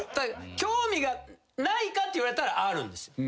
興味がないかって言われたらあるんです。